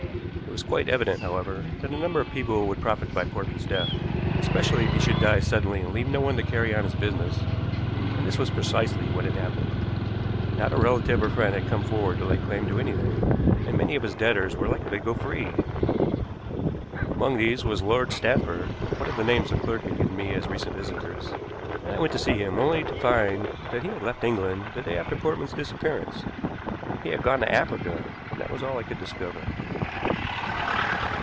It was quite evident, however, that a number of people would profit by Portman's death, especially if he should die suddenly and leave no one to carry on his business; and this was precisely what had happened. Not a relative or friend had come forward to lay claim to anything, and many of his debtors were likely to go free. Among these was Lord Stanford, one of the names the clerk had given me as recent visitors, and I went to see him, only to find that he had left England the day after Portman's disappearance. He had gone to Africa, and that was all I could discover.